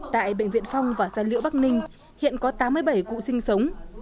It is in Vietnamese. tại bệnh viện phong và gia liễu bắc ninh hiện có tám mươi bảy cụ sinh sống